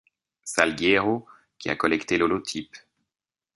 Salgueiro qui a collecté l'holotype.